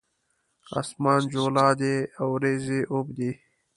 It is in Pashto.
اسمان جولا دی اوریځې اوبدي